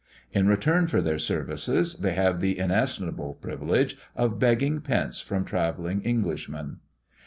In return for their services, they have the inestimable privilege of begging pence from travelling Englishmen.